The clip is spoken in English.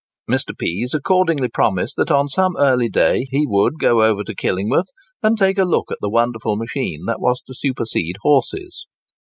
Mr. Pease accordingly promised that on some early day he would go over to Killingworth, and take a look at the wonderful machine that was to supersede horses.